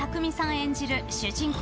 演じる主人公